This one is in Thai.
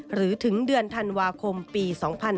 หรือถึงเดือนธันวาคมปี๒๕๕๙